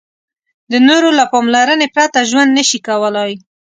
د نورو له پاملرنې پرته ژوند نشي کولای.